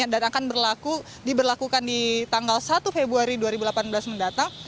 dan akan diberlakukan di tanggal satu februari dua ribu delapan belas mendatang